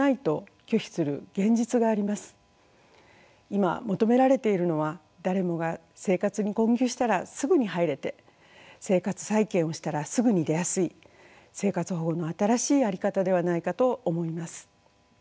今求められているのは誰もが生活に困窮したらすぐに入れて生活再建をしたらすぐに出やすい生活保護の新しい在り方ではないかと思います。